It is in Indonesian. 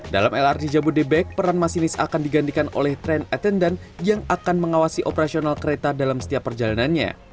dalam lrt jabodebek peran masinis akan digantikan oleh tren attendant yang akan mengawasi operasional kereta dalam setiap perjalanannya